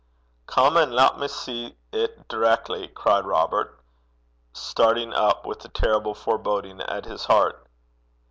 'Come an' lat me see 't direckly,' cried Robert, starting up, with a terrible foreboding at his heart.